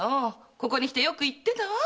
ここに来てよく言ってたわ。